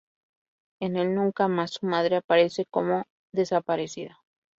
En el Nunca Más su madre aparece como desaparecida.